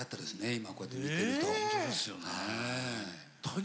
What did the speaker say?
今こうやって見てると。